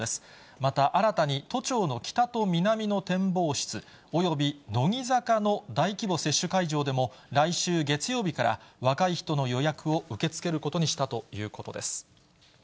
また新たに都庁の北と南の展望室、および乃木坂の大規模接種会場でも、来週月曜日から若い人の予約を受け付けることにしたということです。